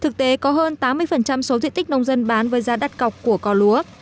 thực tế có hơn tám mươi số diện tích nông dân bán với giá đặt cọc của cò lúa